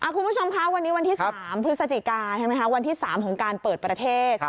คุณผู้ชมคะวันนี้วันที่๓พฤศจิกาใช่ไหมคะวันที่๓ของการเปิดประเทศ